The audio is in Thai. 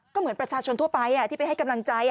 ก็เหมือนประชาชนทั่วไปที่ไปให้กำลังใจ